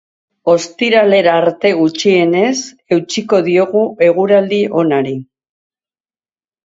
Ostiralera arte, gutxienez, eutsiko diogu eguraldi onari.